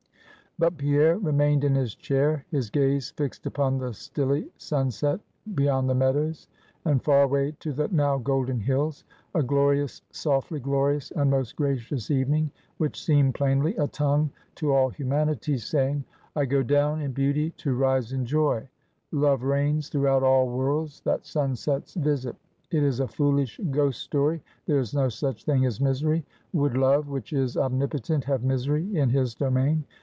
But Pierre remained in his chair; his gaze fixed upon the stilly sunset beyond the meadows, and far away to the now golden hills. A glorious, softly glorious, and most gracious evening, which seemed plainly a tongue to all humanity, saying: I go down in beauty to rise in joy; Love reigns throughout all worlds that sunsets visit; it is a foolish ghost story; there is no such thing as misery. Would Love, which is omnipotent, have misery in his domain?